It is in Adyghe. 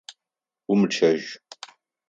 Умычъэжь!